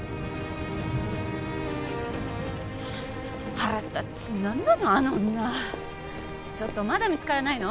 腹立つ何なのあの女ちょっとまだ見つからないの？